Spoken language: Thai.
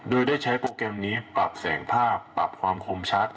โดยได้ใช้โปรแกรมนี้ปรับแสงภาพปรับความคมชัด